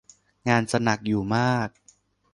งานจะหนักอยู่มาก